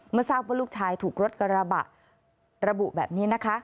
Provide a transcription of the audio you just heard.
ทราบว่าลูกชายถูกรถกระบะระบุแบบนี้นะคะ